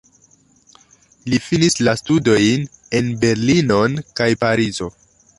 Li finis la studojn en Berlinon kaj Parizo.